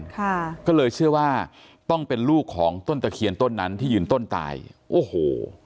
ค่ะก็เลยเชื่อว่าต้องเป็นลูกของต้นตะเคียนต้นนั้นที่ยืนต้นตายโอ้โห